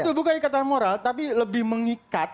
itu bukan ikatan moral tapi lebih mengikat